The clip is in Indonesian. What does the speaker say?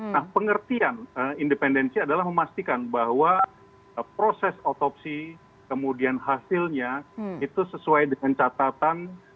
nah pengertian independensi adalah memastikan bahwa proses otopsi kemudian hasilnya itu sesuai dengan catatan